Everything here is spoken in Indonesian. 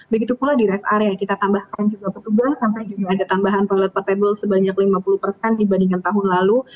begitu pula di rest area yang kita tambahkan juga petugas sampai juga ada tambahan toilet portable sebanyak lima puluh persen dibandingkan tahun lalu